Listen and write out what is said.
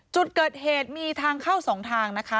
จุดเกิดเหตุมีทางเข้า๒ทางนะคะ